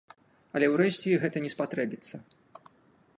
Але ўрэшце і гэта не спатрэбіцца.